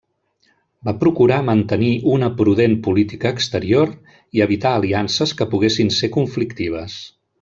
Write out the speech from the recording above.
Va procurar mantenir una prudent política exterior i evitar aliances que poguessin ser conflictives.